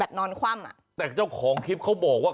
นอนคว่ำอ่ะแต่เจ้าของคลิปเขาบอกว่า